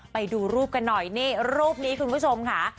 ไปดูรูปกันหน่อยนี่รูปนี้คุณผู้ชมค่ะ